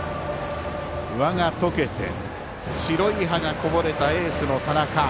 輪が解けて白い歯がこぼれたエースの高橋。